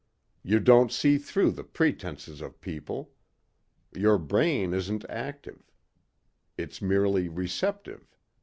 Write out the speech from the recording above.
You don't see through the pretences of people. Your brain isn't active. It's merely receptive.